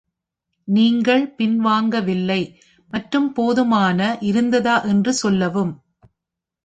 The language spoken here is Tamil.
நீங்கள் பின்வாங்கவில்லை மற்றும் போதுமான இருந்ததா என்று சொல்லவும்?